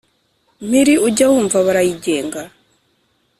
mpiri ujya wumva barayigenga